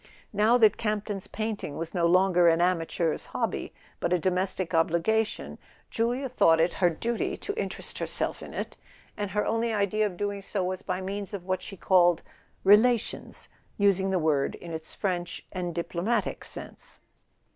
Now that Campton's painting was no longer an amateur's hobby but a domestic obliga¬ tion, Julia thought it her duty to interest herself in [ 44 ] A SON AT THE FRONT it; and her only idea of doing so was by means of what she called " relations," using the word in its French and diplomatic sense.